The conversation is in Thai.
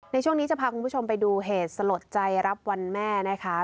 ในช่วงนี้จะพาคุณผู้ชมไปดูเหตุสลดใจรับวันแม่นะคะ